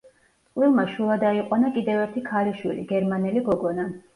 წყვილმა შვილად აიყვანა კიდევ ერთი ქალიშვილი, გერმანელი გოგონა.